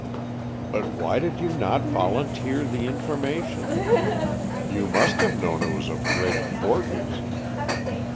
"But why did you not volunteer the information? You must have known it was of great importance."